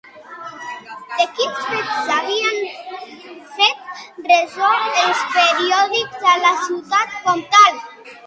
De quins fets s'havien fet ressò els periòdics a la Ciutat Comtal?